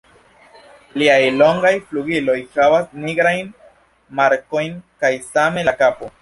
Iliaj longaj flugiloj havas nigrajn markojn kaj same la kapo.